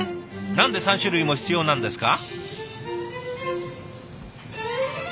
何で３種類も必要なんですか？